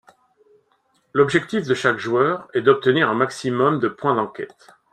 L'objectif de chaque joueur est d'obtenir un maximum de points d'enquête.